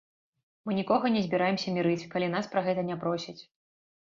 Мы нікога не збіраемся мірыць, калі нас пра гэта не просяць.